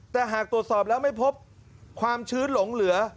แต่หากตรวจสอบแล้วไม่พบความชื้นหลงเหลือ